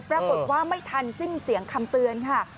ปรากฏว่าไม่ทันสิ้นเสียงคำเตือนค่ะ